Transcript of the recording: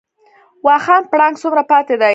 واخان پړانګ څومره پاتې دي؟